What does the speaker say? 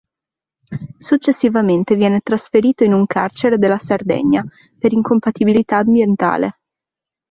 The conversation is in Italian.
Successivamente viene trasferito in un carcere della Sardegna per incompatibilità ambientale.